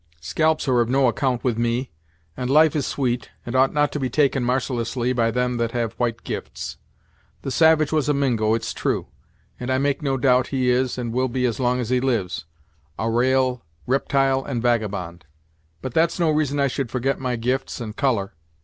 Scalps are of no account with me, and life is sweet, and ought not to be taken marcilessly by them that have white gifts. The savage was a Mingo, it's true; and I make no doubt he is, and will be as long as he lives, a ra'al riptyle and vagabond; but that's no reason I should forget my gifts and color.